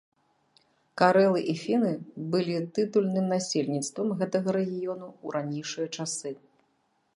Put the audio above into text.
Карэлы і фіны былі тытульным насельніцтвам гэтага рэгіёну ў ранейшыя часы.